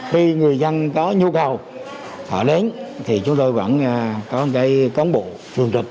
khi người dân có nhu cầu họ đến thì chúng tôi vẫn có một cái công bộ trường trực